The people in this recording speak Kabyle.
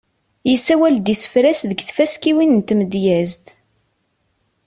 Yessawal-d isefra-s deg tfaskiwin n tmedyezt.